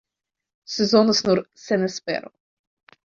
Sezonas nur senespero.